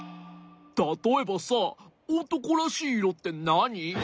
たとえばさおとこらしいいろってなに？